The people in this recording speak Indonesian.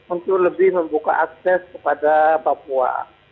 untuk lebih membuka akses kepada papua